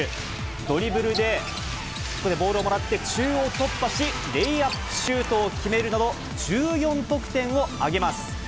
ドリブルで、ここでボールをもらって、中央突破し、レイアップシュートを決めるなど、１４得点を挙げます。